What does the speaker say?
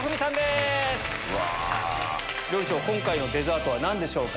今回のデザートは何でしょうか？